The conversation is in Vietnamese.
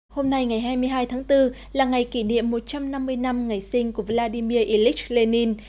hôm nay ngày hai mươi hai tháng bốn là ngày kỷ niệm một trăm năm mươi năm ngày sinh của vladimir ilyich lenin